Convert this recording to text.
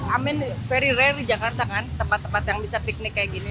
amin very rare di jakarta kan tempat tempat yang bisa piknik kayak gini